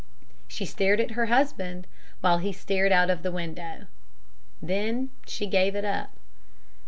She stared at her husband while he stared out of the window. Then she gave it up.